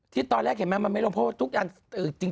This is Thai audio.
ที่ตอนแรกเห็นไหมแม้ไม่รู้เพราะว่าทุกอย่าง